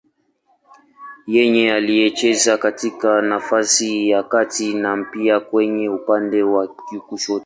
Yeye alicheza katika nafasi ya kati na pia kwenye upande wa kushoto.